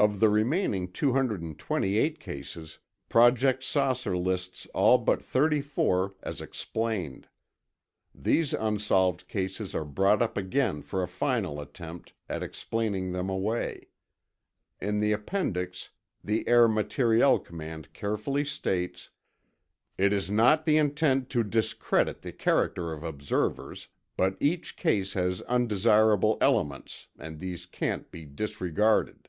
Of the remaining 228 cases, Project "Saucer" lists all but 34 as explained. These unsolved cases are brought up again for a final attempt at explaining them away. In the appendix, the Air Materiel Command carefully states: "It is not the intent to discredit the character of observers, but each case has undesirable elements and these can't be disregarded."